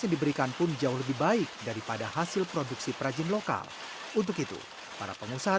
yang diberikan pun jauh lebih baik daripada hasil produksi perajin lokal untuk itu para pengusaha